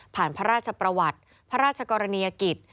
พระราชประวัติพระราชกรณียกิจ